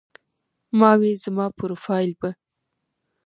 ما وې زما پروفائيل به